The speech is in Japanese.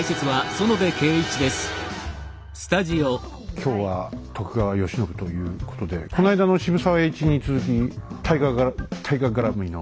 今日は徳川慶喜ということでこないだの渋沢栄一に続き大河がら大河絡みの。